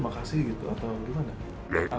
makasih gitu atau gimana